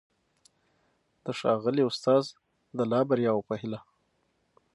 د محترم استاد د لا بریاوو په هیله